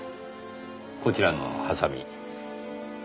こちらのハサミ。